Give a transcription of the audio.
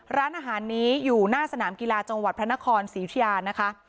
ร้านอาหารนี้อยู่หน้าสนามกีฬาจังหวัดพระนครศรียุธิยานะคะ